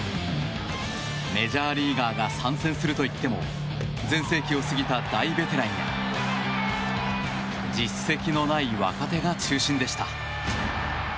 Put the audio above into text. メジャーリーガーが参戦するといっても全盛期を過ぎた大ベテランや実績のない若手が中心でした。